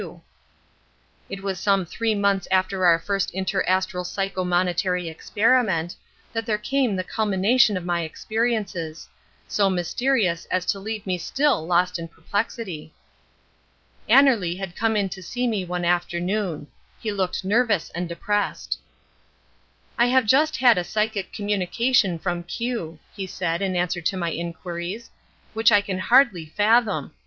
It was some three months after our first inter astral psycho monetary experiment, that there came the culmination of my experiences—so mysterious as to leave me still lost in perplexity. Annerly had come in to see me one afternoon. He looked nervous and depressed. "I have just had a psychic communication from Q," he said in answer to my inquiries, "which I can hardly fathom.